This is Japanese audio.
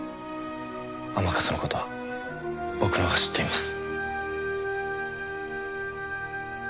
甘春のことは僕の方が知っています。